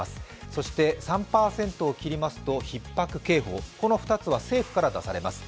そして３％を切りますとひっ迫警報この２つは政府から出されます。